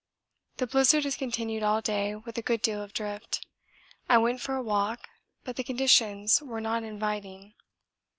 The blizzard has continued all day with a good deal of drift. I went for a walk, but the conditions were not inviting.